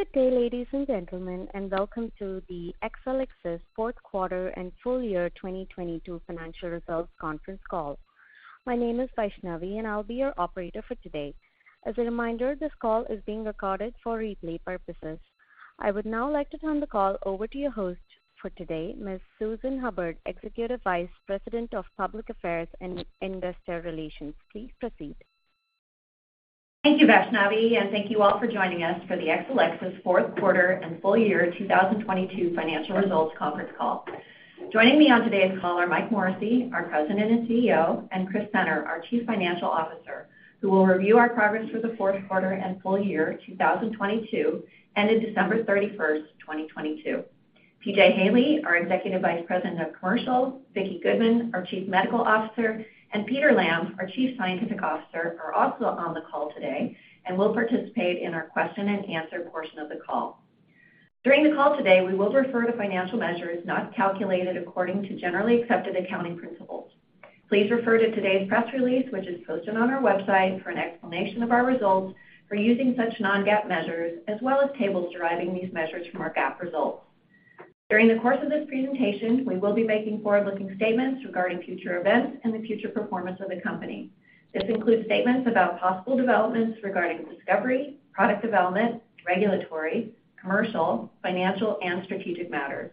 Good day, ladies and gentlemen, and welcome to the Exelixis Q4 and Full Year 2022 Financial Results Conference Call. My name is Vaishnavi, and I'll be your operator for today. As a reminder, this call is being recorded for replay purposes. I would now like to turn the call over to your host for today, Ms. Susan Hubbard, Executive Vice President of Public Affairs and Investor Relations. Please proceed. Thank you, Vaishnavi, and thank you all for joining us for the Exelixis Fourth Quarter and Full Year 2022 Financial Results Conference Call. Joining me on today's call are Mike Morrissey, our President and CEO, and Chris Senner, our Chief Financial Officer, who will review our progress for the fourth quarter and full year 2022, ended December 31, 2022. P.J. Haley, our Executive Vice President of Commercial, Vicki Goodman, our Chief Medical Officer, and Peter Lamb, our Chief Scientific Officer, are also on the call today and will participate in our question and answer portion of the call. During the call today, we will refer to financial measures not calculated according to generally accepted accounting principles. Please refer to today's press release, which is posted on our website for an explanation of our results for using such non-GAAP measures, as well as tables deriving these measures from our GAAP results. During the course of this presentation, we will be making forward-looking statements regarding future events and the future performance of the company. This includes statements about possible developments regarding discovery, product development, regulatory, commercial, financial, and strategic matters.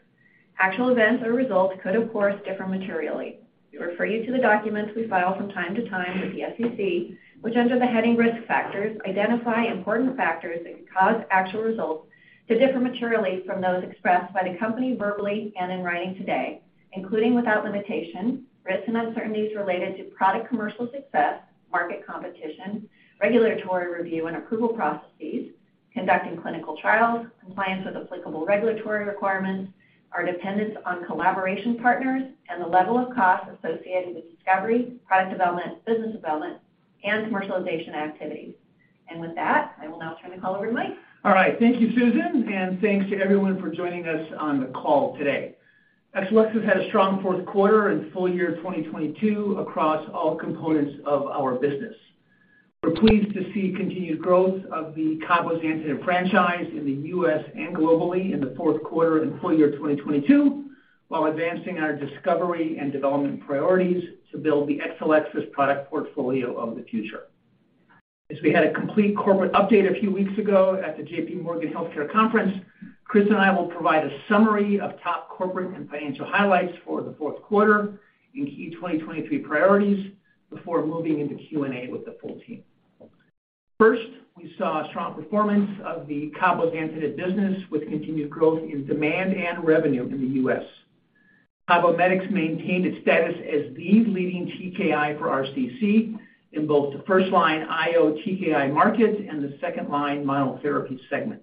Actual events or results could, of course, differ materially. We refer you to the documents we file from time to time with the SEC, which under the heading Risk Factors, identify important factors that could cause actual results to differ materially from those expressed by the company verbally and in writing today, including without limitation, risks and uncertainties related to product commercial success, market competition, regulatory review and approval processes, conducting clinical trials, compliance with applicable regulatory requirements, our dependence on collaboration partners, and the level of costs associated with discovery, product development, business development, and commercialization activities. With that, I will now turn the call over to Mike. All right, thank you, Susan, thanks to everyone for joining us on the call today. Exelixis had a strong fourth quarter and full year 2022 across all components of our business. We're pleased to see continued growth of the cabozantinib franchise in the U.S. and globally in the fourth quarter and full year 2022, while advancing our discovery and development priorities to build the Exelixis product portfolio of the future. As we had a complete corporate update a few weeks ago at the JPMorgan Healthcare Conference, Chris and I will provide a summary of top corporate and financial highlights for the fourth quarter and key 2023 priorities before moving into Q&A with the full team. First, we saw a strong performance of the cabozantinib business, with continued growth in demand and revenue in the U.S. CABOMETYX maintained its status as the leading TKI for RCC in both the first-line IO TKI market and the second-line immunotherapy segment.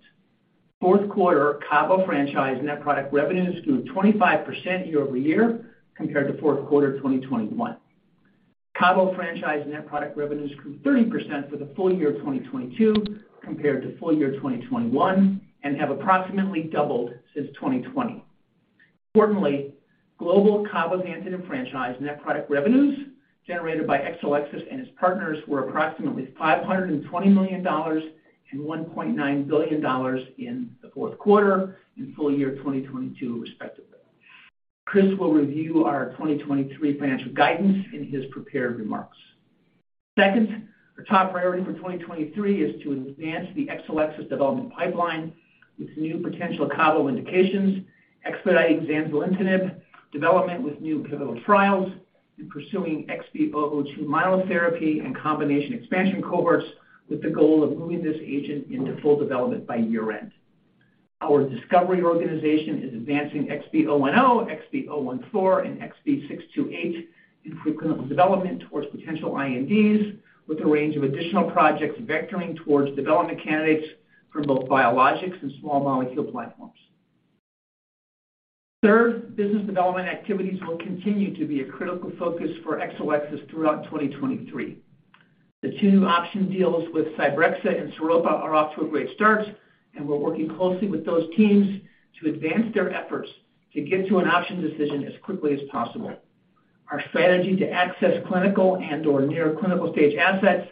Fourth quarter Cabo franchise net product revenues grew 25% year-over-year compared to fourth quarter 2021. Cabo franchise net product revenues grew 30% for the full year 2022 compared to full year 2021 and have approximately doubled since 2020. Importantly, global cabozantinib franchise net product revenues generated by Exelixis and its partners were approximately $520 million and $1.9 billion in the fourth quarter and full year 2022, respectively. Chris will review our 2023 financial guidance in his prepared remarks. Second, our top priority for 2023 is to advance the Exelixis development pipeline with new potential Cabo indications, expedite zanzalintinib development with new pivotal trials and pursuing XB002 immunotherapy and combination expansion cohorts with the goal of moving this agent into full development by year-end. Our discovery organization is advancing XB010, XB014, and XB628 in preclinical development towards potential INDs with a range of additional projects vectoring towards development candidates for both biologics and small molecule platforms. Third, business development activities will continue to be a critical focus for Exelixis throughout 2023. The two new option deals with Cybrexa and Sairopa are off to a great start, and we're working closely with those teams to advance their efforts to get to an option decision as quickly as possible. Our strategy to access clinical and/or near-clinical stage assets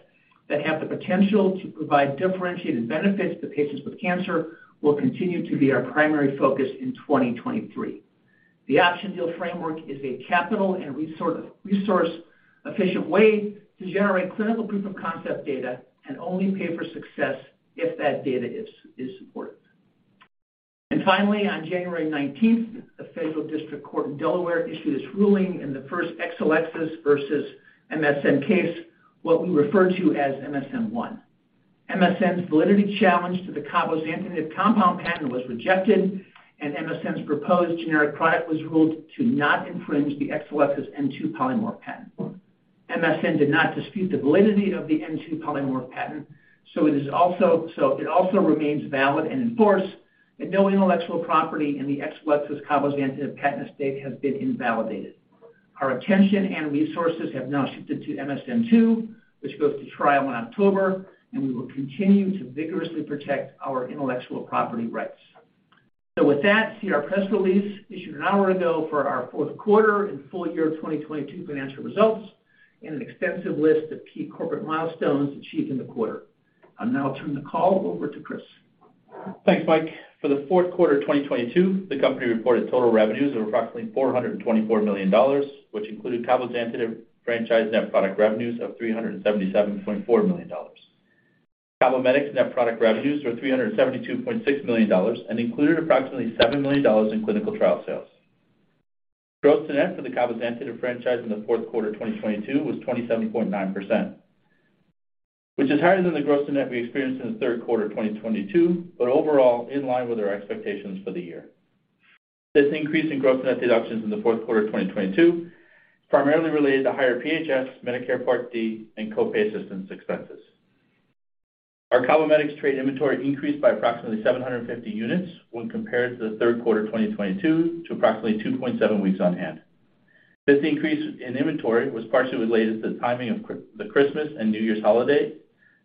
that have the potential to provide differentiated benefits to patients with cancer will continue to be our primary focus in 2023. The option deal framework is a capital and resource efficient way to generate clinical proof of concept data and only pay for success if that data is supported. Finally, on January 19th, the Federal District Court in Delaware issued its ruling in the first Exelixis versus MSN case, what we refer to as MSN I. MSN's validity challenge to the cabozantinib compound patent was rejected, and MSN's proposed generic product was ruled to not infringe the Exelixis N-2 polymorph patent. MSN did not dispute the validity of the N-2 polymorph patent, it also remains valid and in force, and no intellectual property in the Exelixis cabozantinib patent estate has been invalidated. Our attention and resources have now shifted to MSN II, which goes to trial in October, and we will continue to vigorously protect our intellectual property rights. With that, see our press release issued an hour ago for our fourth quarter and full year 2022 financial results and an extensive list of key corporate milestones achieved in the quarter. I'll now turn the call over to Chris. Thanks, Mike. For the fourth quarter of 2022, the company reported total revenues of approximately $424 million, which included cabozantinib franchise net product revenues of $377.4 million. CABOMETYX net product revenues were $372.6 million and included approximately $70 million in clinical trial sales. Gross to net for the cabozantinib franchise in the fourth quarter of 2022 was 27.9%, which is higher than the gross to net we experienced in the third quarter of 2022, but overall in line with our expectations for the year. This increase in gross to net deductions in the fourth quarter of 2022 is primarily related to higher PHS, Medicare Part D, and co-pay assistance expenses. Our CABOMETYX trade inventory increased by approximately 750 units when compared to the third quarter of 2022 to approximately 2.7 weeks on hand. This increase in inventory was partially related to the timing of the Christmas and New Year's holiday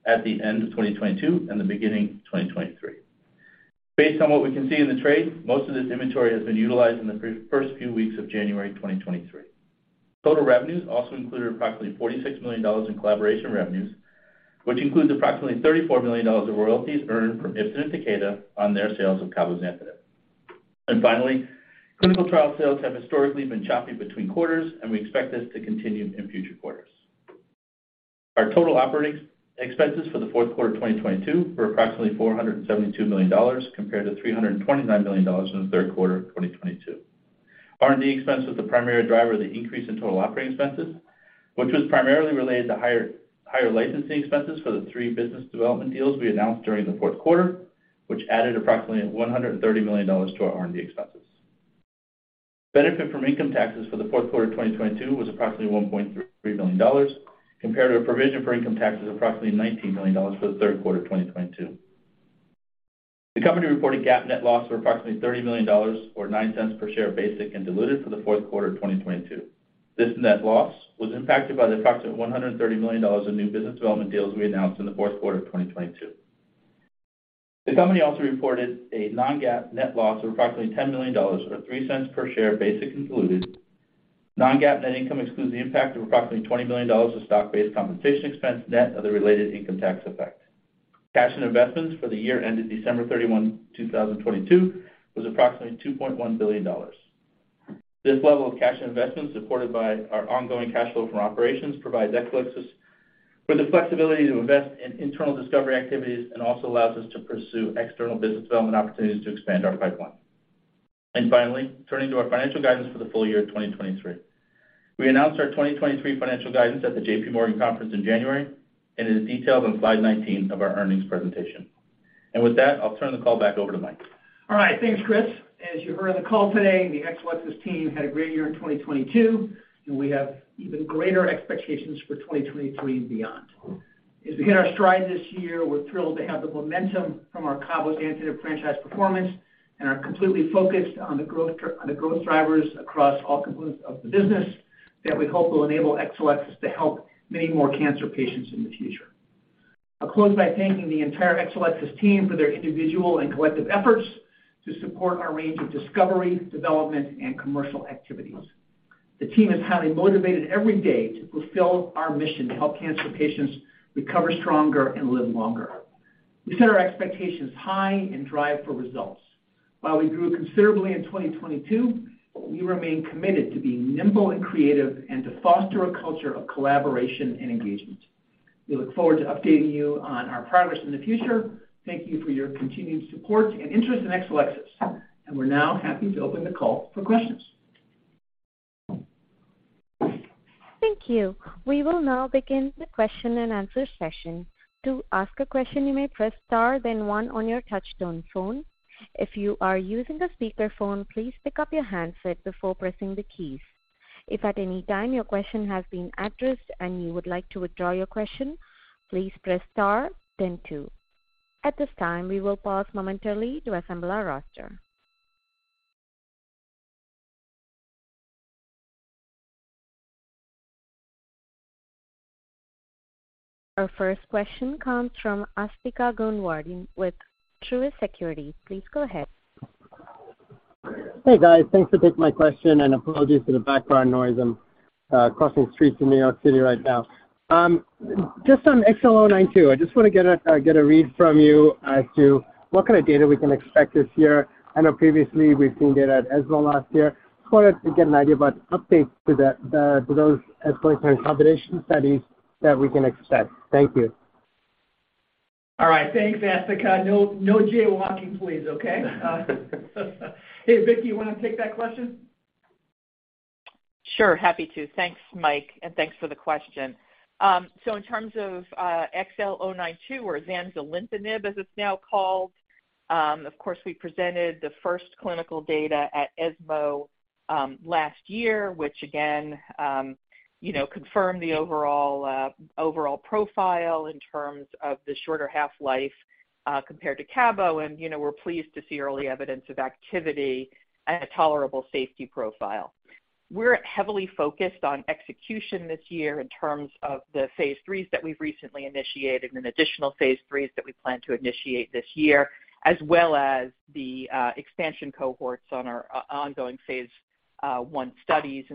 at the end of 2022 and the beginning of 2023. Based on what we can see in the trade, most of this inventory has been utilized in the first few weeks of January 2023. Total revenues also included approximately $46 million in collaboration revenues, which includes approximately $34 million of royalties earned from Ipsen and Takeda on their sales of cabozantinib. Finally, clinical trial sales have historically been choppy between quarters, and we expect this to continue in future quarters. Our total operating expenses for the fourth quarter of 2022 were approximately $472 million compared to $329 million in the third quarter of 2022. R&D expense was the primary driver of the increase in total operating expenses, which was primarily related to higher licensing expenses for the three business development deals we announced during the fourth quarter, which added approximately $130 million to our R&D expenses. Benefit from income taxes for the fourth quarter of 2022 was approximately $1.3 million compared to a provision for income taxes of approximately $19 million for the third quarter of 2022. The company reported GAAP net loss of approximately $30 million, or $0.09 per share basic and diluted for the fourth quarter of 2022. This net loss was impacted by the approximate $130 million in new business development deals we announced in the fourth quarter of 2022. The company also reported a non-GAAP net loss of approximately $10 million, or $0.03 per share basic and diluted. Non-GAAP net income excludes the impact of approximately $20 million of stock-based compensation expense net of the related income tax effect. Cash and investments for the year ended December 31, 2022, was approximately $2.1 billion. This level of cash and investments, supported by our ongoing cash flow from operations, provides Exelixis with the flexibility to invest in internal discovery activities and also allows us to pursue external business development opportunities to expand our pipeline. Finally, turning to our financial guidance for the full year of 2023. We announced our 2023 financial guidance at the JPMorgan Healthcare Conference in January, and it is detailed on slide 19 of our earnings presentation. With that, I'll turn the call back over to Mike. All right. Thanks, Chris. As you heard on the call today, the Exelixis team had a great year in 2022, and we have even greater expectations for 2023 and beyond. As we hit our stride this year, we're thrilled to have the momentum from our cabozantinib franchise performance and are completely focused on the growth drivers across all components of the business that we hope will enable Exelixis to help many more cancer patients in the future. I'll close by thanking the entire Exelixis team for their individual and collective efforts to support our range of discovery, development, and commercial activities. The team is highly motivated every day to fulfill our mission to help cancer patients recover stronger and live longer. We set our expectations high and drive for results. While we grew considerably in 2022, we remain committed to being nimble and creative and to foster a culture of collaboration and engagement. We look forward to updating you on our progress in the future. Thank you for your continued support and interest in Exelixis, and we're now happy to open the call for questions. Thank you. We will now begin the question-and-answer session. To ask a question, you may press star then one on your touchtone phone. If you are using a speakerphone, please pick up your handset before pressing the keys. If at any time your question has been addressed and you would like to withdraw your question, please press star then two. At this time, we will pause momentarily to assemble our roster. Our first question comes from Asthika Goonewardene with Truist Securities. Please go ahead. Hey, guys. Thanks for taking my question. Apologies for the background noise. I'm crossing streets in New York City right now. On XL092, I just wanna get a read from you as to what kind of data we can expect this year. I know previously we've seen data at ESMO last year. Wanted to get an idea about updates to those as well as combination studies that we can expect. Thank you. All right. Thanks, Asthika. No, no jaywalking please, okay? Hey, Vicki, you wanna take that question? Sure. Happy to. Thanks, Mike, and thanks for the question. So in terms of XL092 or zanzalintinib as it's now called, of course, we presented the first clinical data at ESMO last year, which again, you know, confirmed the overall overall profile in terms of the shorter half-life compared to Cabo, and, you know, we're pleased to see early evidence of activity and a tolerable safety profile. We're heavily focused on execution this year in terms of the Phase 3s that we've recently initiated and additional Phase 3s that we plan to initiate this year, as well as the expansion cohorts on our ongoing Phase I studies.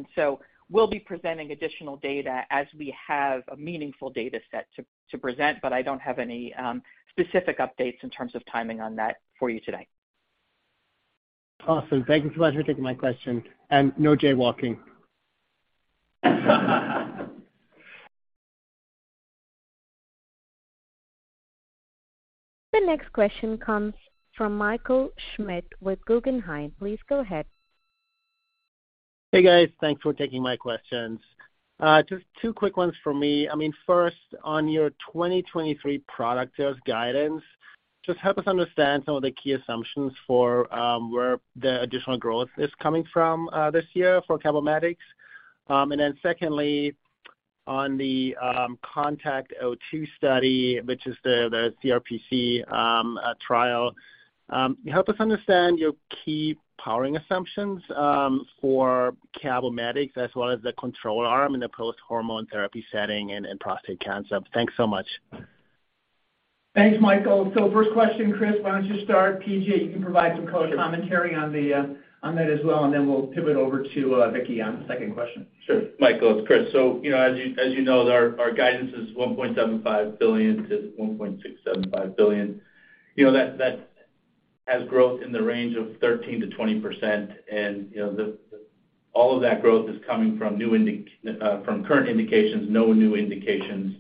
We'll be presenting additional data as we have a meaningful data set to present, but I don't have any specific updates in terms of timing on that for you today. Awesome. Thank you so much for taking my question. No jaywalking. The next question comes from Michael Schmidt with Guggenheim. Please go ahead. Hey, guys. Thanks for taking my questions. Just two quick ones for me. I mean, first, on your 2023 product sales guidance, just help us understand some of the key assumptions for where the additional growth is coming from this year for CABOMETYX. Secondly, on the CONTACT-02 study, which is the CRPC trial, can you help us understand your key powering assumptions for CABOMETYX as well as the control arm in the post-hormone therapy setting in prostate cancer? Thanks so much. Thanks, Michael. First question, Chris, why don't you start? P.J., you can provide some co-commentary on the on that as well, and then we'll pivot over to Vicki on the second question. Michael, it's Chris. You know, as you, as you know, our guidance is $1.75 billion-$1.675 billion. You know that has growth in the range of 13%-20%. You know, the all of that growth is coming from current indications, no new indications,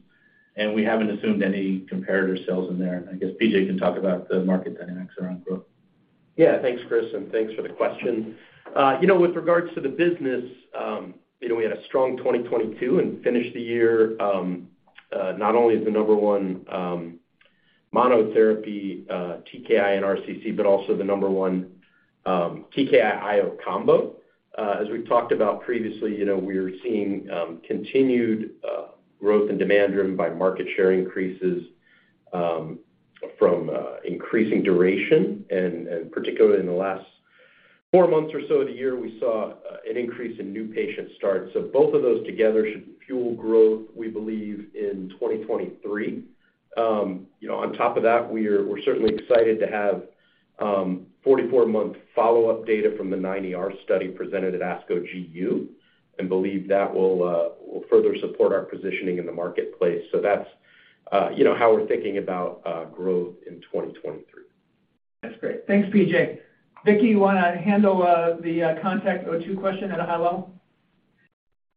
and we haven't assumed any comparator sales in there. I guess P.J. can talk about the market dynamics around growth. Thanks, Chris, and thanks for the question. You know, with regards to the business, you know, we had a strong 2022 and finished the year not only as the number one monotherapy TKI in RCC, but also the number one TKI IO combo. As we've talked about previously, you know, we're seeing continued growth and demand driven by market share increases from increasing duration. Particularly in the last 4 months or so of the year, we saw an increase in new patient starts. Both of those together should fuel growth, we believe, in 2023. You know, on top of that, we're certainly excited to have 44 month follow-up data from the 9ER study presented at ASCO GU, and believe that will further support our positioning in the marketplace. That's, you know, how we're thinking about growth in 2023. That's great. Thanks, P.J. Vicki, you wanna handle, the CONTACT-02 question at a high level?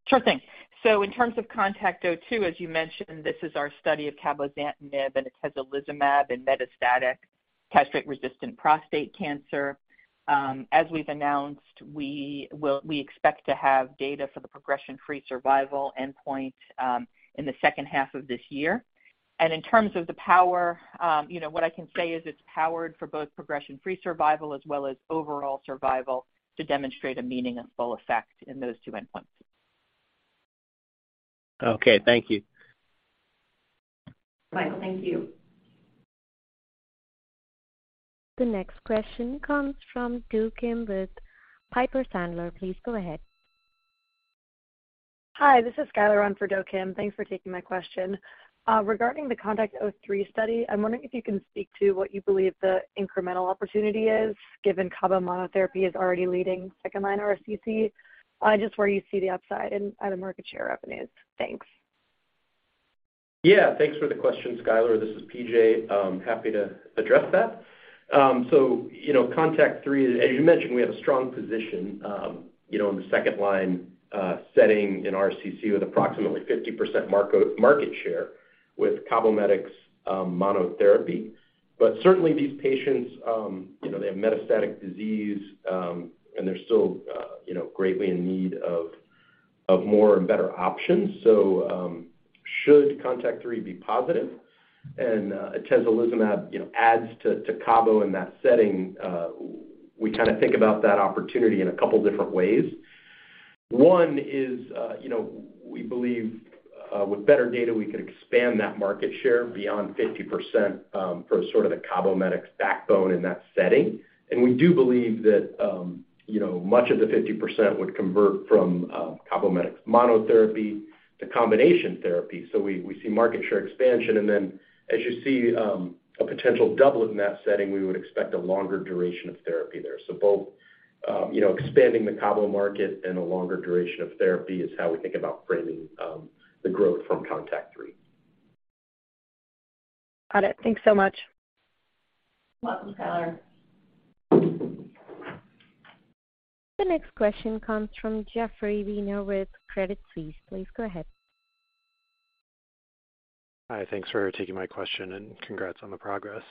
Sure thing. In terms of CONTACT-02, as you mentioned, this is our study of cabozantinib and atezolizumab in metastatic castrate-resistant prostate cancer. As we've announced, we expect to have data for the progression-free survival endpoint in the second half of this year. In terms of the power, you know, what I can say is it's powered for both progression-free survival as well as overall survival to demonstrate a meaningful effect in those two endpoints. Okay, thank you. Michael, thank you. The next question comes from Do Kim with Piper Sandler. Please go ahead. Hi, this is Skylar on for Do Kim. Thanks for taking my question. Regarding the CONTACT-03 study, I'm wondering if you can speak to what you believe the incremental opportunity is, given Cabo monotherapy is already leading second-line RCC. Just where you see the upside in item market share revenues. Thanks. Thanks for the question, Skylar. This is PJ. I'm happy to address that. You know, CONTACT-03, as you mentioned, we have a strong position, you know, in the second-line setting in RCC with approximately 50% market share with CABOMETYX monotherapy. Certainly these patients, you know, they have metastatic disease, and they're still, you know, greatly in need of more and better options. Should CONTACT-03 be positive and atezolizumab, you know, adds to cabo in that setting, we kinda think about that opportunity in a couple different ways. One is, you know, we believe, with better data, we could expand that market share beyond 50% for sort of the CABOMETYX backbone in that setting. We do believe that, you know, much of the 50% would convert from CABOMETYX monotherapy to combination therapy. We see market share expansion. As you see, a potential double in that setting, we would expect a longer duration of therapy there. Both, you know, expanding the cabo market and a longer duration of therapy is how we think about framing the growth from CONTACT-03. Got it. Thanks so much. Welcome, Skylar. The next question comes from Geoffrey Weiner with Credit Suisse. Please go ahead. Hi, thanks for taking my question, and congrats on the progress.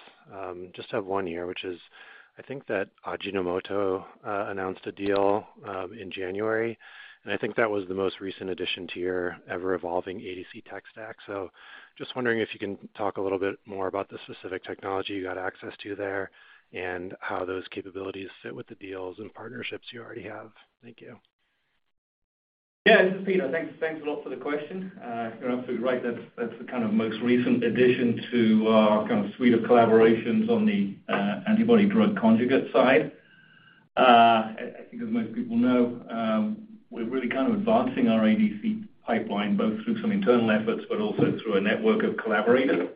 Just have one here, which is, I think that Ajinomoto announced a deal in January, and I think that was the most recent addition to your ever-evolving ADC tech stack. Just wondering if you can talk a little bit more about the specific technology you got access to there and how those capabilities fit with the deals and partnerships you already have. Thank you. Yeah, this is Peter. Thanks a lot for the question. You're absolutely right. That's the kind of most recent addition to our kind of suite of collaborations on the antibody-drug conjugate side. I think as most people know, we're really kind of advancing our ADC pipeline both through some internal efforts, but also through a network of collaborators.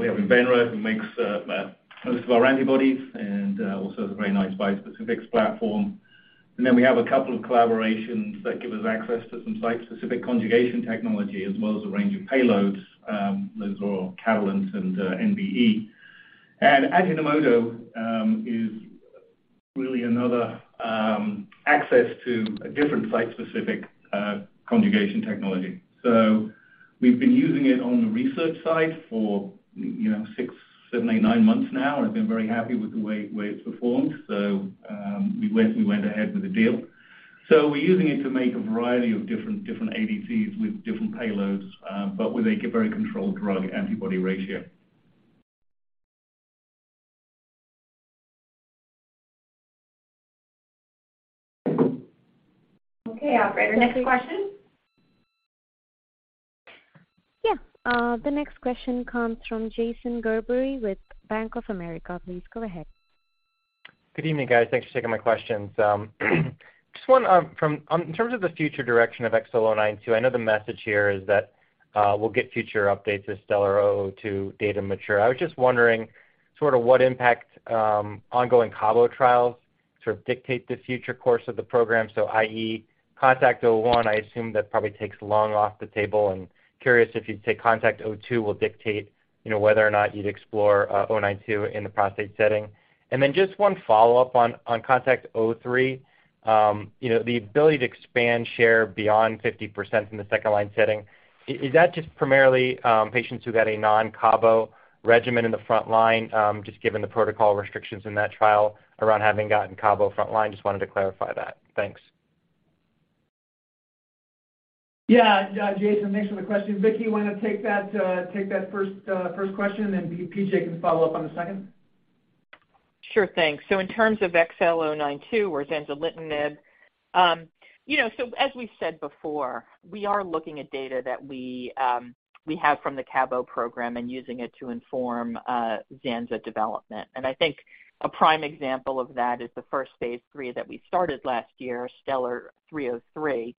We have Invenra who makes most of our antibodies and also has a very nice bispecifics platform. We have a couple of collaborations that give us access to some site-specific conjugation technology as well as a range of payloads, those are Catalent and NBE. Ajinomoto is really another access to a different site-specific conjugation technology. We've been using it on the research side for, you know, six, seven, eight, nine months now, and been very happy with the way it's performed. We went ahead with the deal. We're using it to make a variety of different ADCs with different payloads, but with a very controlled drug antibody ratio. Okay, operator, next question. Yeah. The next question comes from Jason Gerberry with Bank of America. Please go ahead. Good evening, guys. Thanks for taking my questions. just one from in terms of the future direction of XL092, I know the message here is that we'll get future updates as STELLAR-002 data mature. I was just wondering sort of what impact ongoing Cabo trials sort of dictate the future course of the program. I.e., CONTACT-01, I assume that probably takes lung off the table and curious if you'd say CONTACT-02 will dictate, you know, whether or not you'd explore O nine two in the prostate setting. Then just one follow-up on CONTACT-03, you know, the ability to expand share beyond 50% in the second-line setting. Is that just primarily, patients who got a non-Cabo regimen in the front line, just given the protocol restrictions in that trial around having gotten Cabo front line? Just wanted to clarify that. Thanks. Yeah. Yeah, Jason, thanks for the question. Vicki, you wanna take that first question, and P.J can follow up on the second. Sure. Thanks. In terms of XL092 or zanzalintinib, you know, as we said before, we are looking at data that we have from the Cabo program and using it to inform Zanza development. I think a prime example of that is the first Phase III that we started last year, STELLAR-303,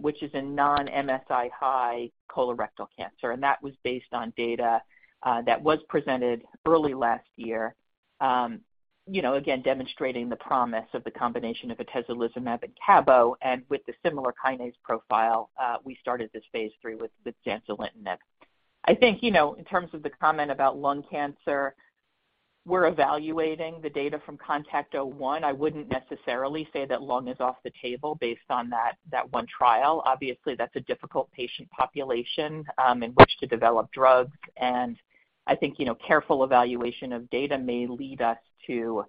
which is a non-MSI-high colorectal cancer. That was based on data that was presented early last year, you know, again, demonstrating the promise of the combination of atezolizumab and Cabo, and with the similar kinase profile, we started this Phase III with zanzalintinib. I think, you know, in terms of the comment about lung cancer, we're evaluating the data from CONTACT-01. I wouldn't necessarily say that lung is off the table based on that one trial. Obviously, that's a difficult patient population, in which to develop drugs, and I think, you know, careful evaluation of data may lead us to,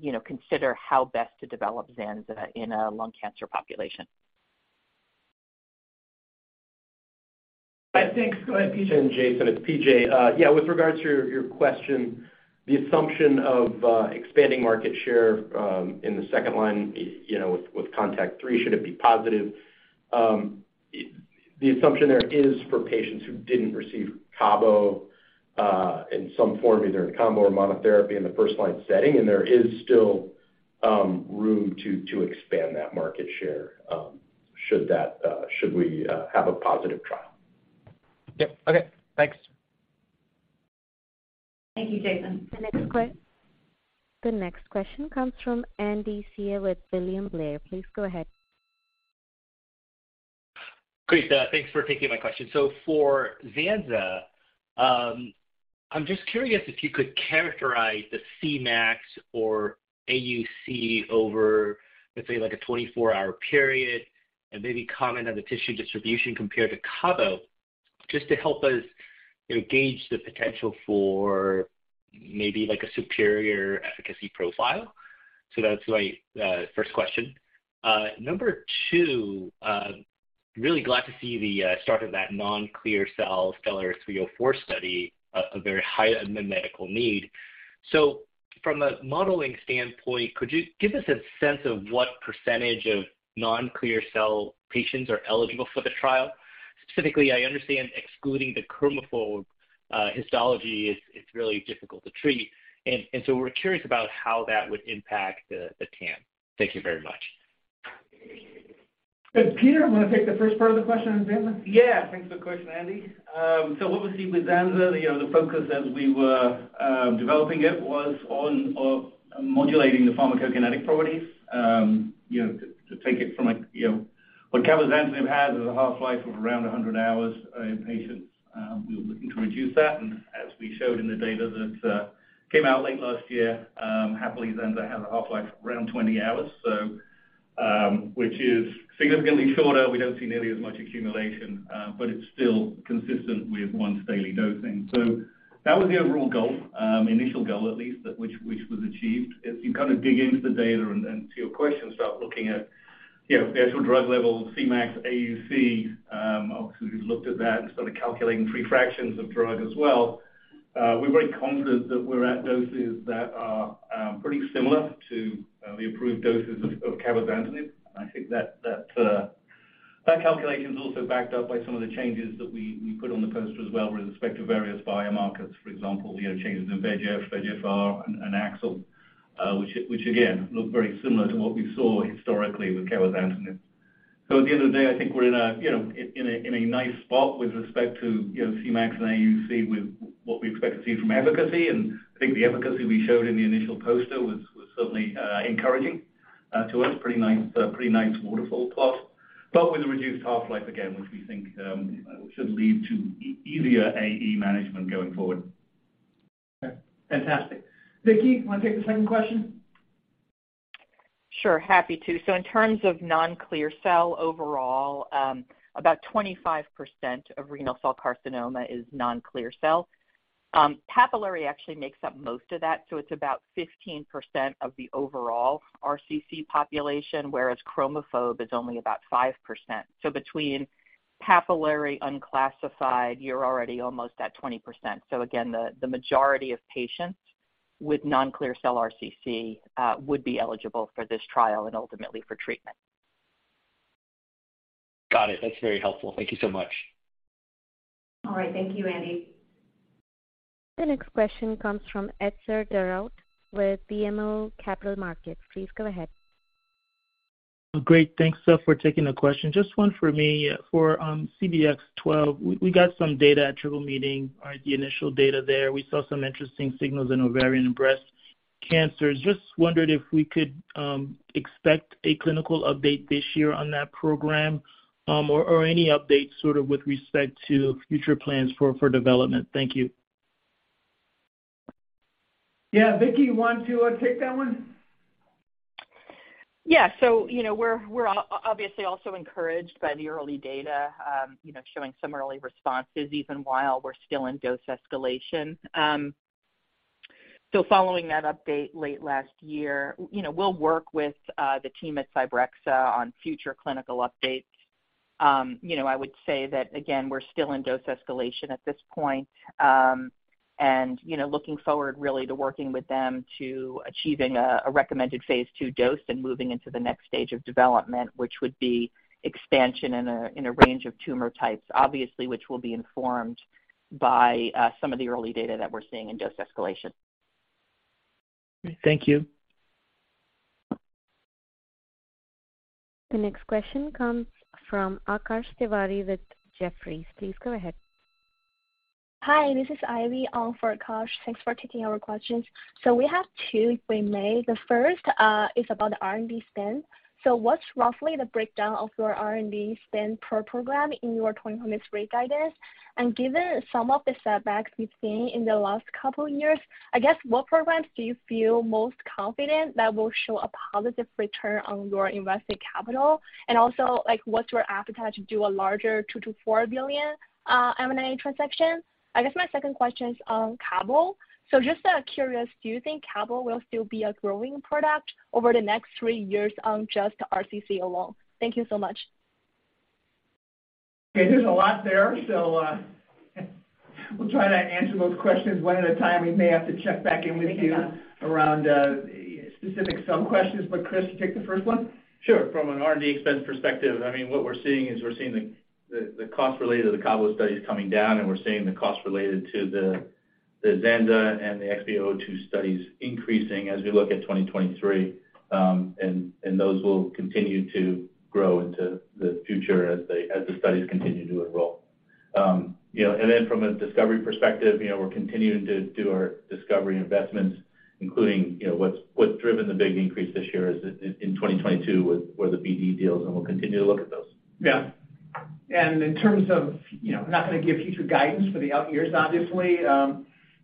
you know, consider how best to develop Zanza in a lung cancer population. All right. Thanks. Go ahead, PJ. Jason, it's P.J. Yeah, with regards to your question, the assumption of expanding market share in the second-line, you know, with CONTACT-03, should it be positive, the assumption there is for patients who didn't receive Cabo in some form, either in combo or monotherapy in the first-line setting, and there is still room to expand that market share, should we have a positive trial. Yep. Okay, thanks. Thank you, Jason. The next question comes from Andy Hsieh with William Blair. Please go ahead. Great. Thanks for taking my question. For Zanza, I'm just curious if you could characterize the Cmax or AUC over, let's say, like a 24-hour period and maybe comment on the tissue distribution compared to Cabo, just to help us, you know, gauge the potential for maybe like a superior efficacy profile. That's my first question. Number two, really glad to see the start of that non-clear cell STELLAR-304 study, a very high unmet medical need. From a modeling standpoint, could you give us a sense of what % of non-clear cell patients are eligible for the trial? Specifically, I understand excluding the chromophobe histology is really difficult to treat. We're curious about how that would impact the TAM. Thank you very much. Good. Peter, you wanna take the first part of the question and then Pamela? Yeah. Thanks for the question, Andy. What we see with zanzalintinib, you know, the focus as we were developing it was on modulating the pharmacokinetic properties. What cabozantinib has is a half-life of around 100 hours in patients. We were looking to reduce that. As we showed in the data that came out late last year, happily, zanzalintinib has a half-life of around 20 hours, so which is significantly shorter. We don't see nearly as much accumulation, but it's still consistent with once-daily dosing. That was the overall goal, initial goal at least, that which was achieved. As you kind of dig into the data and to your question, start looking at, you know, the actual drug levels, Cmax, AUC, obviously, we've looked at that and started calculating free fractions of drug as well. We're very confident that we're at doses that are pretty similar to the approved doses of cabozantinib. I think that That calculation is also backed up by some of the changes that we put on the poster as well with respect to various biomarkers, for example, you know, changes in VEGF-R and AXL, which again, look very similar to what we saw historically with cabozantinib. At the end of the day, I think we're in a, you know, nice spot with respect to, you know, Cmax and AUC with what we expect to see from efficacy. I think the efficacy we showed in the initial poster was certainly encouraging to us. Pretty nice waterfall plot, but with a reduced half-life, again, which we think should lead to easier AE management going forward. Okay. Fantastic. Vicki, wanna take the second question? Sure. Happy to. In terms of non-clear cell overall, about 25% of renal cell carcinoma is non-clear cell. Papillary actually makes up most of that, so it's about 15% of the overall RCC population, whereas chromophobe is only about 5%. Between papillary unclassified, you're already almost at 20%. Again, the majority of patients with non-clear cell RCC would be eligible for this trial and ultimately for treatment. Got it. That's very helpful. Thank you so much. All right. Thank you, Andy. The next question comes from Etzer Darout with BMO Capital Markets. Please go ahead. Great. Thanks, Seth, for taking the question. Just one for me. For CBX-12, we got some data at triple meeting, right? The initial data there, we saw some interesting signals in ovarian and breast cancers. Just wondered if we could expect a clinical update this year on that program, or any updates sort of with respect to future plans for development. Thank you. Yeah. Vicki, want to, take that one? Yeah. You know, we're obviously also encouraged by the early data, you know, showing some early responses even while we're still in dose escalation. Following that update late last year, you know, we'll work with the team at Cybrexa on future clinical updates. You know, I would say that, again, we're still in dose escalation at this point, you know, looking forward really to working with them to achieving a recommended Phase II dose and moving into the next stage of development, which would be expansion in a range of tumor types, obviously, which will be informed by some of the early data that we're seeing in dose escalation. Thank you. The next question comes from Akash Tewari with Jefferies. Please go ahead. Hi, this is Ivy on for Akash. Thanks for taking our questions. We have two, if we may. The first is about R&D spend. What's roughly the breakdown of your R&D spend per program in your 2024 mixed rate guidance? Given some of the setbacks we've seen in the last couple years, I guess, what programs do you feel most confident that will show a positive return on your invested capital? Also, like, what's your appetite to do a larger $2 billion-$4 billion M&A transaction? I guess my second question is on Cabo. Just curious, do you think Cabo will still be a growing product over the next three years on just RCC alone? Thank you so much. There's a lot there. We'll try to answer those questions one at a time. We may have to check back in with you around, specific sub-questions. Chris, take the first one. Sure. From an R&D expense perspective, I mean, what we're seeing is we're seeing the cost related to the Cabo studies coming down, and we're seeing the cost related to the zanzalintinib and the XB002 studies increasing as we look at 2023. Those will continue to grow into the future as the studies continue to enroll. You know, then from a discovery perspective, you know, we're continuing to do our discovery investments, including, you know, what's driven the big increase this year is in 2022 were the BD deals, and we'll continue to look at those. Yeah. In terms of, you know, not gonna give future guidance for the out years, obviously,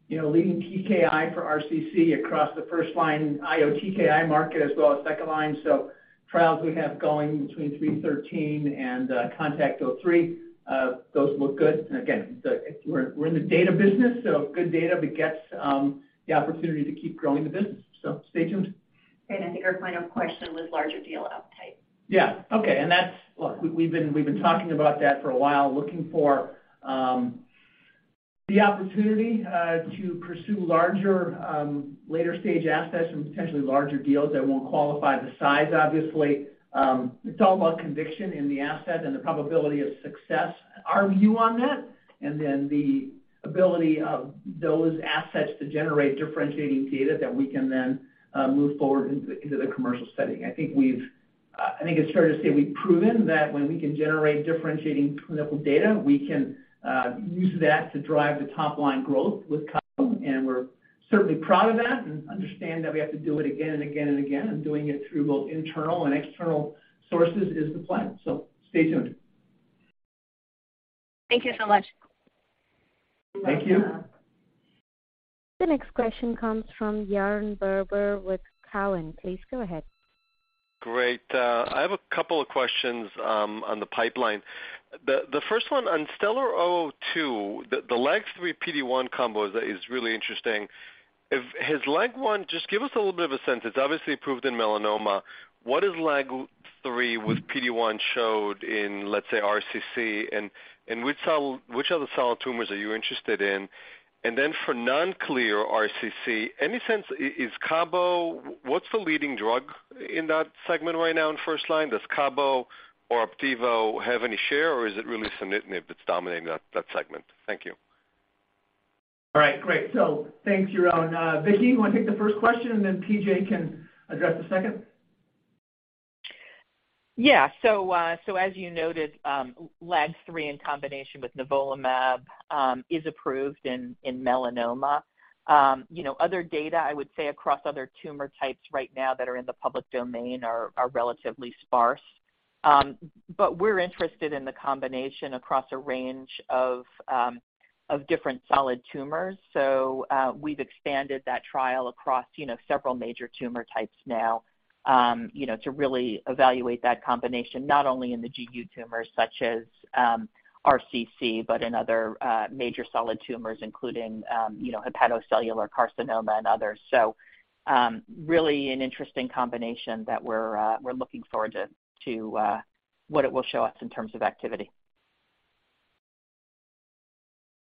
you know, leading TKI for RCC across the first line IO TKI market as well as second line. Trials we have going between COSMIC-313 and CONTACT-03, those look good. Again, we're in the data business, so good data begets the opportunity to keep growing the business. Stay tuned. Great. I think our final question was larger deal appetite. Yeah. Okay. That's. Look, we've been talking about that for a while, looking for the opportunity to pursue larger, later stage assets and potentially larger deals that won't qualify the size, obviously. It's all about conviction in the asset and the probability of success, our view on that, and then the ability of those assets to generate differentiating data that we can then move forward into the commercial setting. I think we've I think it's fair to say we've proven that when we can generate differentiating clinical data, we can use that to drive the top line growth with Cabo. We're certainly proud of that and understand that we have to do it again and again and again, and doing it through both internal and external sources is the plan. Stay tuned. Thank you so much. Thank you. The next question comes from Yaron Werber with Cowen. Please go ahead. Great. I have a couple of questions on the pipeline. The first one on STELLAR-002, the LAG-3 PD1 combo is really interesting. Has Lag one. Just give us a little bit of a sense. It's obviously approved in melanoma. What is LAG-3 with PD1 showed in, let's say, RCC? Which other solid tumors are you interested in? For non-clear RCC, any sense, is Cabo. What's the leading drug in that segment right now in first line? Does Cabo or Opdivo have any share, or is it really sunitinib that's dominating that segment? Thank you. All right, great. Thanks, Jeroen. Vicki, you want to take the first question, and then PJ can address the second? As you noted, LAG-3 in combination with nivolumab is approved in melanoma. You know, other data I would say across other tumor types right now that are in the public domain are relatively sparse. But we're interested in the combination across a range of different solid tumors. We've expanded that trial across, you know, several major tumor types now, you know, to really evaluate that combination, not only in the GU tumors such as RCC, but in other major solid tumors including, you know, hepatocellular carcinoma and others. Really an interesting combination that we're looking forward to what it will show us in terms of activity.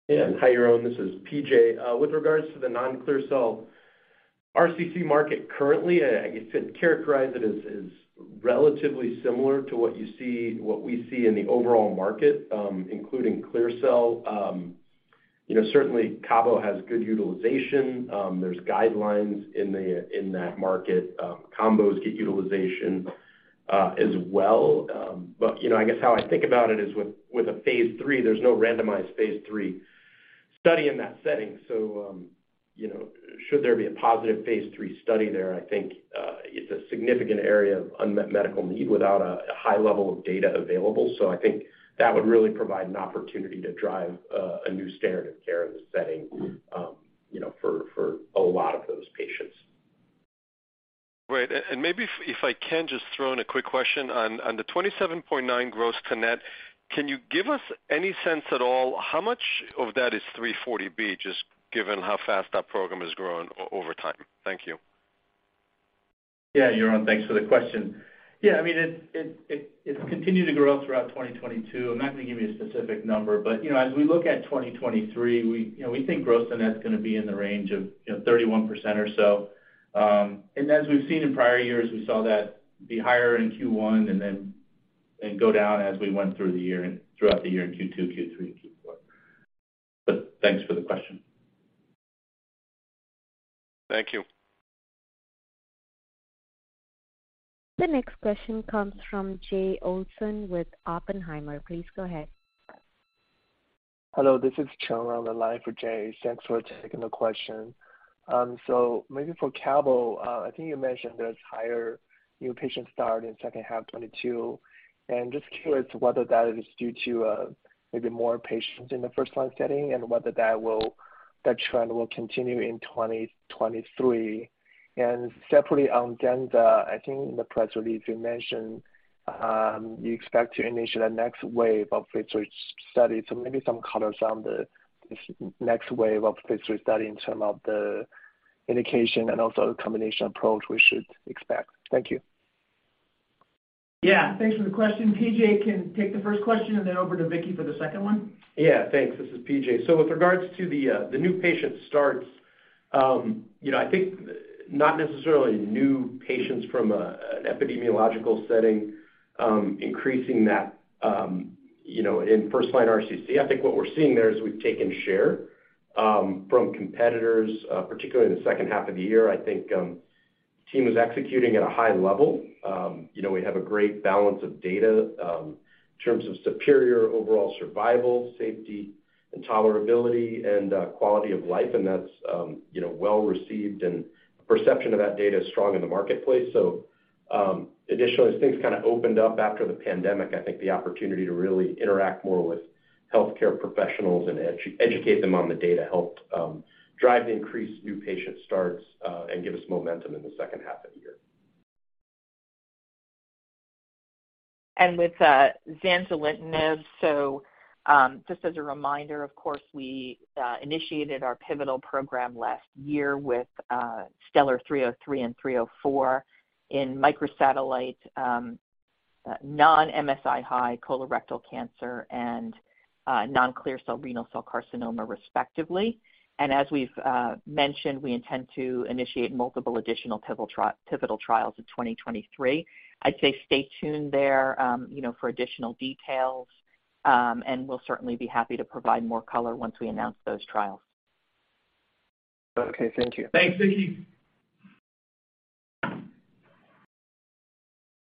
Yeah. Hi, Jeroen, this is PJ. With regards to the non-clear cell RCC market currently, I guess to characterize it as relatively similar to what we see in the overall market, including clear cell. You know, certainly cabo has good utilization. There's guidelines in that market. Combos get utilization as well. You know, I guess how I think about it is with a Phase III, there's no randomized Phase III study in that setting. You know, should there be a positive Phase III study there, I think, it's a significant area of unmet medical need without a high level of data available. I think that would really provide an opportunity to drive a new standard of care in the setting, you know, for a lot of those patients. Great. Maybe if I can just throw in a quick question. On the 27.9% gross to net, can you give us any sense at all how much of that is 340B, just given how fast that program has grown over time? Thank you. Yeah, Jeroen, thanks for the question. Yeah, I mean, it's continued to grow throughout 2022. I'm not going to give you a specific number, you know, as we look at 2023, we think gross to net's going to be in the range of, you know, 31% or so. As we've seen in prior years, we saw that be higher in Q1 and then go down as we went through the year and throughout the year in Q2, Q3, and Q4. Thanks for the question. Thank you. The next question comes from Jay Olson with Oppenheimer. Please go ahead. Hello, this is Cheng running the line for Jay. Thanks for taking the question. Maybe for Cabo, I think you mentioned there's higher new patient start in second half 2022. Just curious whether that is due to maybe more patients in the first line setting and whether that trend will continue in 2023. Separately on Zanza, I think in the press release you mentioned you expect to initiate the next wave of Phase III study. Maybe some colors on the, this next wave of Phase III study in term of the indication and also the combination approach we should expect. Thank you. Yeah, thanks for the question. P.J. can take the first question, and then over to Vicki for the second one. Yeah, thanks. This is P.J. Haley. With regards to the new patient starts, you know, I think not necessarily new patients from an epidemiological setting, increasing that, you know, in first line RCC. I think what we're seeing there is we've taken share from competitors, particularly in the second half of the year. I think, team is executing at a high level. You know, we have a great balance of data in terms of superior overall survival, safety and tolerability and quality of life, and that's, you know, well received and perception of that data is strong in the marketplace. Additionally, as things kind of opened up after the pandemic, I think the opportunity to really interact more with healthcare professionals and educate them on the data helped drive the increased new patient starts and give us momentum in the second half of the year. With zanzalintinib, just as a reminder, of course, we initiated our pivotal program last year with STELLAR-303 and STELLAR-304 in microsatellite non-MSI-high colorectal cancer and non-clear cell renal cell carcinoma respectively. As we've mentioned, we intend to initiate multiple additional pivotal trials in 2023. I'd say stay tuned there, you know, for additional details, and we'll certainly be happy to provide more color once we announce those trials. Okay, thank you. Thanks, Vicki.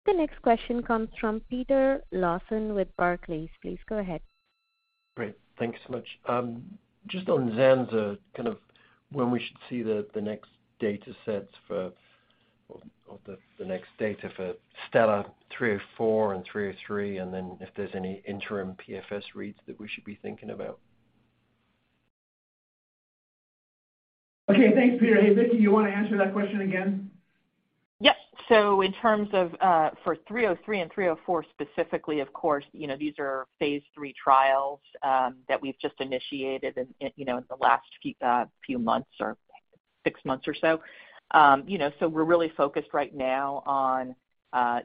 The next question comes from Peter Lawson with Barclays. Please go ahead. Great. Thank you so much. Just on Zanda, kind of when we should see the next data for STELLAR-304 and STELLAR-303, and then if there's any interim PFS reads that we should be thinking about? Okay, thanks, Peter. Hey, Vicki, you wanna answer that question again? Yep. In terms of, for 303 and 304 specifically, of course, you know, these are Phase III trials, that we've just initiated in, you know, in the last few, six months or so. You know, so we're really focused right now on,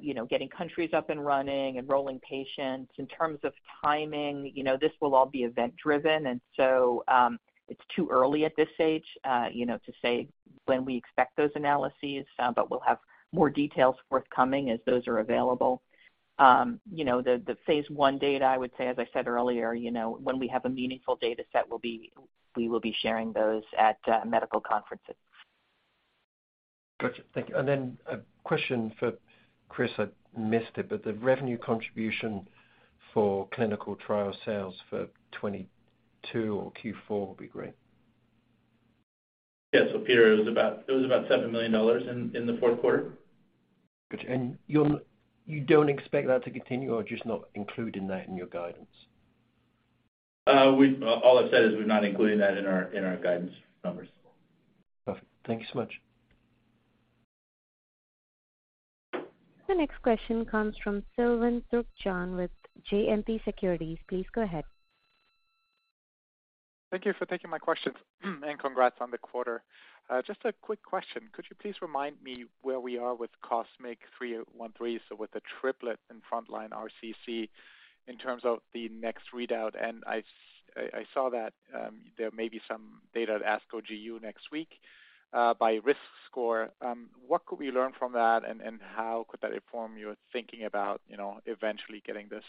you know, getting countries up and running, enrolling patients. In terms of timing, you know, this will all be event driven, it's too early at this stage, you know, to say when we expect those analyses, but we'll have more details forthcoming as those are available. You know, the Phase I data, I would say, as I said earlier, you know, when we have a meaningful data set, we will be sharing those at medical conferences. Gotcha. Thank you. A question for Chris, I missed it, but the revenue contribution for clinical trial sales for 2022 or Q4 will be great. Yeah. Peter, it was about $7 million in the fourth quarter. You're, you don't expect that to continue or just not including that in your guidance? All I've said is we've not included that in our, in our guidance numbers. Perfect. Thank you so much. The next question comes from Sylvain Zuchdy with JMP Securities. Please go ahead. Thank you for taking my questions. Congrats on the quarter. Just a quick question. Could you please remind me where we are with COSMIC-313, so with the triplet and frontline RCC in terms of the next readout? I saw that, there may be some data at ASCO GU next week, by risk score. What could we learn from that and how could that inform your thinking about, you know, eventually getting this,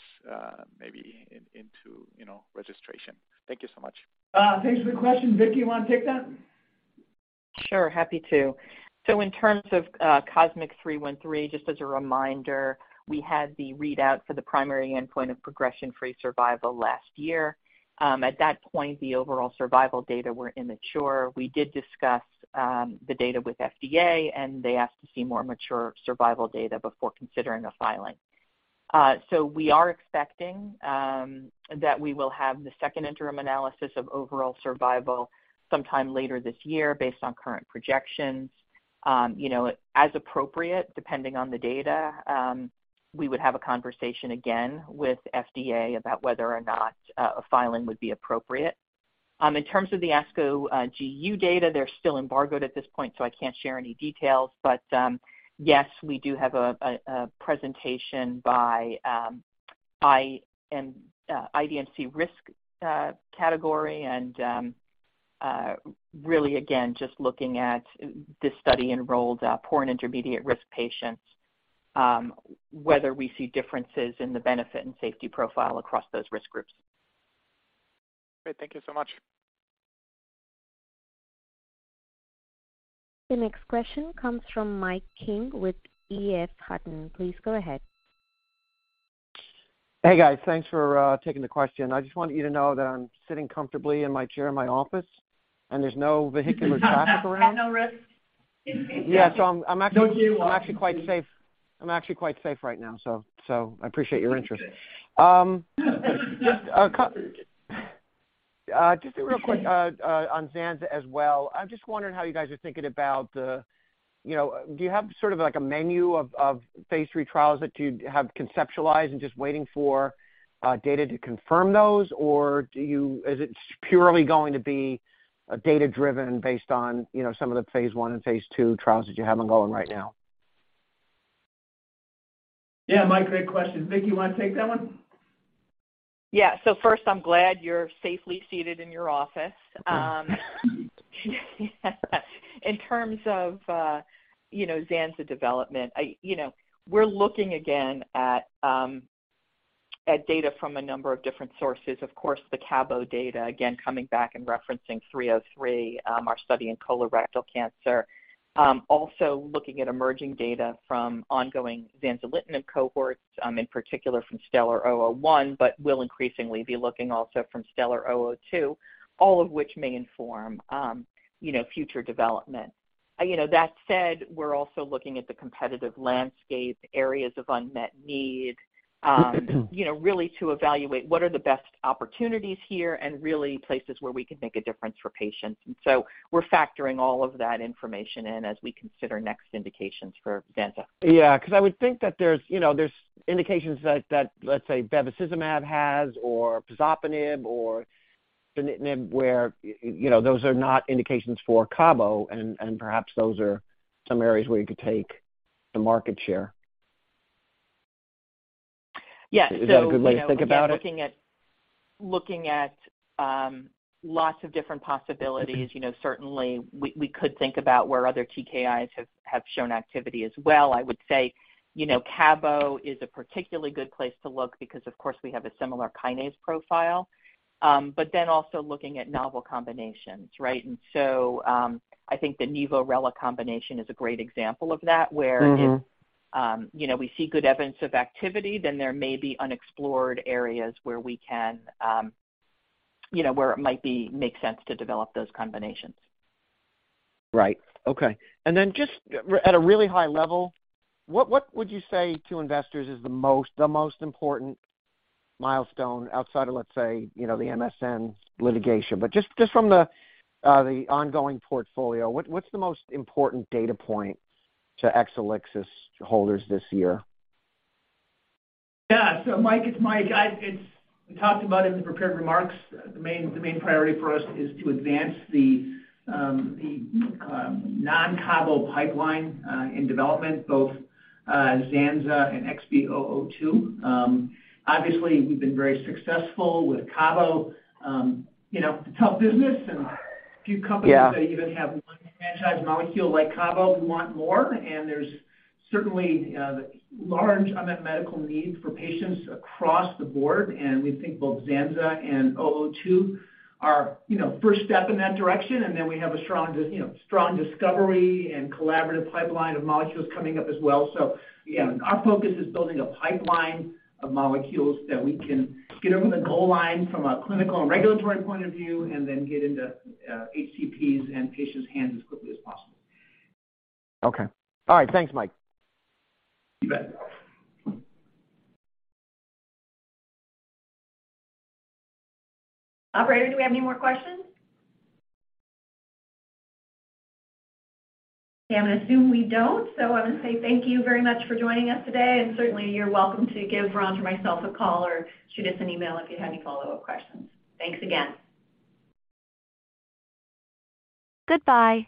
maybe in, into, you know, registration? Thank you so much. Thanks for the question. Vicki, you wanna take that? Sure. Happy to. In terms of COSMIC-313, just as a reminder, we had the readout for the primary endpoint of progression-free survival last year. At that point, the overall survival data were immature. We did discuss the data with FDA, and they asked to see more mature survival data before considering a filing. We are expecting that we will have the second interim analysis of overall survival sometime later this year based on current projections. You know, as appropriate, depending on the data, we would have a conversation again with FDA about whether or not a filing would be appropriate. In terms of the ASCO GU data, they're still embargoed at this point, so I can't share any details. Yes, we do have a presentation by IMDC risk category and really, again, just looking at this study enrolled poor and intermediate risk patients, whether we see differences in the benefit and safety profile across those risk groups. Great. Thank you so much. The next question comes from Mike King with EF Hutton. Please go ahead. Hey, guys. Thanks for taking the question. I just want you to know that I'm sitting comfortably in my chair in my office, there's no vehicular traffic around. At no risk. Yeah. I'm actually. Don't you? I'm actually quite safe. I'm actually quite safe right now, so I appreciate your interest. Just real quick on zanzalintinib as well. I'm just wondering how you guys are thinking about the... You know, do you have sort of like a menu of Phase III trials that you have conceptualized and just waiting for data to confirm those? Is it purely going to be data-driven based on, you know, some of the Phase I and Phase II trials that you have on going right now? Yeah. Mike, great question. Vicki, you wanna take that one? Yeah. First, I'm glad you're safely seated in your office. In terms of, you know, Zanza development, you know, we're looking again at data from a number of different sources. Of course, the Cabo data, again, coming back and referencing 303, our study in colorectal cancer. Also looking at emerging data from ongoing zanzalintinib cohorts, in particular from STELLAR-001, but we'll increasingly be looking also from STELLAR-002, all of which may inform, you know, future development. You know, that said, we're also looking at the competitive landscape, areas of unmet need, you know, really to evaluate what are the best opportunities here and really places where we can make a difference for patients. We're factoring all of that information in as we consider next indications for Zanza. Yeah, 'cause I would think that there's, you know, there's indications that, let's say, bevacizumab has or pazopanib or lenvatinib where, you know, those are not indications for Cabo and perhaps those are some areas where you could take the market share. Yeah. Is that a good way to think about it? You know, again, looking at lots of different possibilities. You know, certainly we could think about where other TKIs have shown activity as well. I would say, you know, Cabo is a particularly good place to look because, of course, we have a similar kinase profile, but then also looking at novel combinations, right? I think the nivo/rela combination is a great example of that where. Mm-hmm... you know, we see good evidence of activity, then there may be unexplored areas where we can, you know, where it might be make sense to develop those combinations. Right. Okay. Just at a really high level, what would you say to investors is the most important milestone outside of, let's say, you know, the MSN litigation? Just from the ongoing portfolio, what's the most important data point to Exelixis holders this year? Mike, it's Mike. It's we talked about it in the prepared remarks. The main priority for us is to advance the non-Cabo pipeline in development, both zanzalintinib and XB002. Obviously, we've been very successful with Cabo. You know, it's a tough business, and a few companies- Yeah that even have one franchise molecule like Cabo, we want more. There's certainly, large unmet medical need for patients across the board, and we think both zanzalintinib and XB002 are, you know, first step in that direction. We have a strong, you know, strong discovery and collaborative pipeline of molecules coming up as well. Yeah, our focus is building a pipeline of molecules that we can get over the goal line from a clinical and regulatory point of view and then get into, HCPs and patients' hands as quickly as possible. Okay. All right. Thanks, Mike. You bet. Operator, do we have any more questions? I'm gonna assume we don't. I'm gonna say thank you very much for joining us today, certainly, you're welcome to give Ron or myself a call or shoot us an email if you have any follow-up questions. Thanks again. Goodbye.